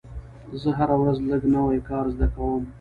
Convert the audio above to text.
زه هره ورځ لږ نوی کار زده کوم.